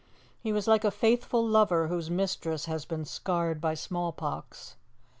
He was like a faithful lover whose mistress has been scarred by smallpox.